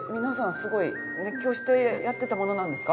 すごい熱狂してやってたものなんですか？